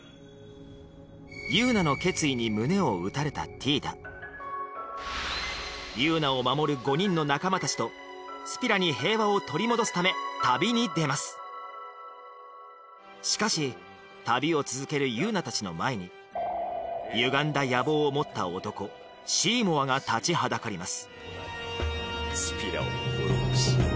ユウナの決意に胸を打たれたティーダユウナを守る５人の仲間達とスピラに平和を取り戻すため旅に出ますしかし旅を続けるユウナ達の前にシーモアが立ちはだかります